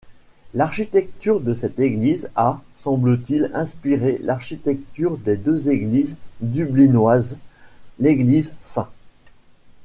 L'architecture de cette église a, semble-t-il, inspiré l'architecture de deux églises dublinoises: l'église St.